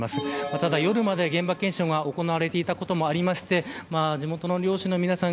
ただ、夜まで現場検証が行われていたこともあって地元の漁師の皆さん